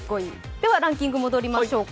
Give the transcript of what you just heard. ではランキングに戻りましょうか。